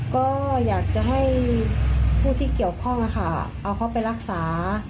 ก็อยากจะให้ผู้ที่เกี่ยวข้องเอาเขาไปรักษา